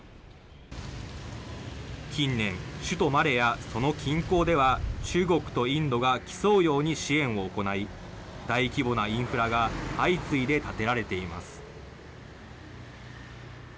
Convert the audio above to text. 近年、首都マレやその近郊では、中国とインドが競うように支援を行い、大規模なインフラが相次いで建てられています。